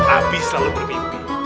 abi selalu bermimpi